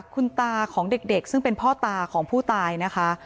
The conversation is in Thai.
คุณตาของเด็กซึ่งเป็นพ่อตาของผู้ตายนะคะ